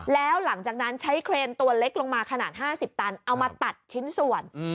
แล้วหลังจากนั้นใช้เครนตัวเล็กลงมาขนาด๕๐ตันเอามาตัดชิ้นส่วน